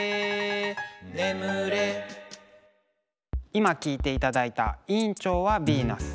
今聴いていただいた「委員長はヴィーナス」。